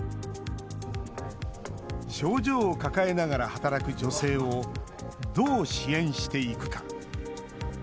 症状を抱えながら働く女性をどう支援していくか。